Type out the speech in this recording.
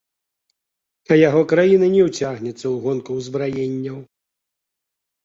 А яго краіна не ўцягнецца ў гонку ўзбраенняў.